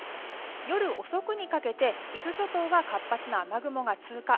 夜遅くにかけて伊豆諸島は活発な雨雲が通過。